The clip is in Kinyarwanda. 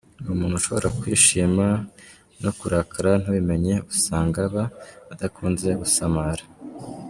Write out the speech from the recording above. Ni umuntu ushobora kwishima no kurakara ntubimenye usanga aba adakunze gusamara .